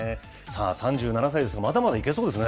３７歳ですが、まだまだいけそうですね。